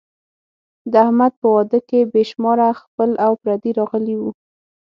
د احمد په واده کې بې شماره خپل او پردي راغلي وو.